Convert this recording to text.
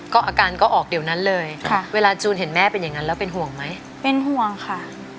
ก็อาการก็ออกเดี๋ยวนั้นเลยค่ะเวลาจูนเห็นแม่เป็นอย่างนั้นแล้วเป็นห่วงไหมเป็นห่วงค่ะ